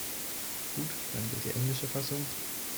Gut, dann gilt die englische Fassung.